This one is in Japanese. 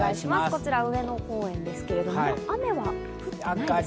こちら上野公園ですけれども、雨は降ってないですね。